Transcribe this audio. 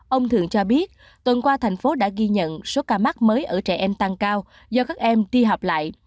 ông thường cho biết tuần qua thành phố đã ghi nhận số ca mắc mới ở trẻ em tăng cao do các em ti học lại